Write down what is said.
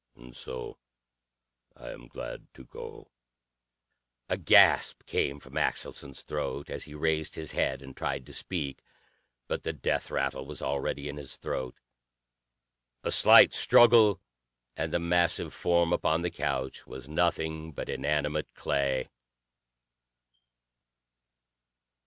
And so I am glad to go." A gasp came from Axelson's throat as he raised his head and tried to speak, but the death rattle was already in his throat. A slight struggle, and the massive form upon the couch was nothing but inanimate clay.